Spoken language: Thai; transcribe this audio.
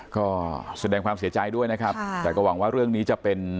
ก็แสดงความเสียใจด้วยนะครับแต่ก็หวังว่าเรื่องนี้จะเป็น